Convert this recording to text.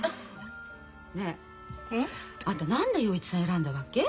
ねえあんた何で洋一さん選んだわけ？